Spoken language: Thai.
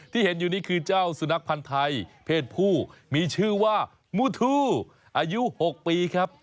ที่เห็นอยู่นี่คือเจ้าสุนัขพันธ์ไทยเพศผู้มีชื่อว่ามูทูอายุ๖ปีครับ